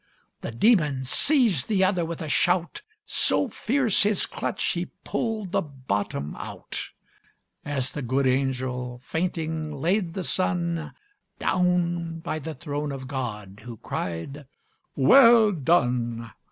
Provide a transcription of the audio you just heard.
The demon seized the other with a shout; So fierce his clutch he pulled the bottom out, As the good angel, fainting, laid the sun Down by the throne of God, who cried: "Well done!